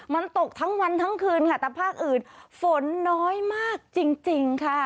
มันตกทั้งวันทั้งคืนค่ะแต่ภาคอื่นฝนน้อยมากจริงค่ะ